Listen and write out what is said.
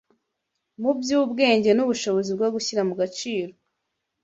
mu by’ubwenge n’ubushobozi bwo gushyira mu gaciro